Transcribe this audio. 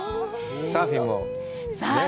サーフィンもね。